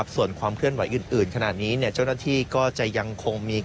ส่วนความเคลื่อนไหวอื่นขนาดนี้เจ้าหน้าที่ก็จะยังคงมี